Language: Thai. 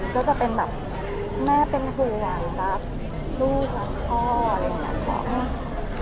ก็จะเป็นแม่เป็นครูลูกพ่ออะไรนี้